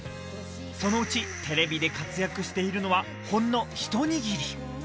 そのうち、テレビで活躍しているのは、ほんの一握り。